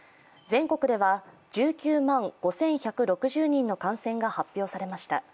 全国では１９万５１６０人の感染が発表されました。